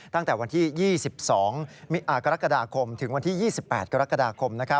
ตั้งแต่วันที่๒๒กรกฎาคมถึงวันที่๒๘กรกฎาคม